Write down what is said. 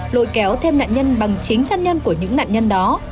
lội kéo thêm nạn nhân bằng chính thân nhân của những nạn nhân đó